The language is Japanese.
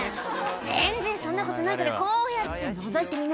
「全然そんなことないからこうやってのぞいてみなって」